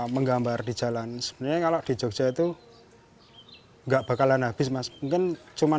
menggambar di jalan sebenarnya kalau di jogja itu enggak bakalan habis mas mungkin cuma